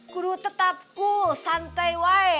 kudu tetap cool santai wae